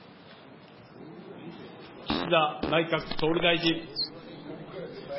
岸田内閣総理大臣。